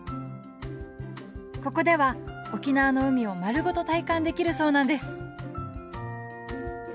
ここでは沖縄の海を丸ごと体感できるそうなんです！